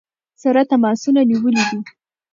سره تماسونه نیولي ؤ.